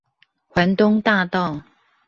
環東大道